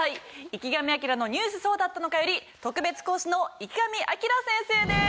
『池上彰のニュースそうだったのか！！』より特別講師の池上彰先生です。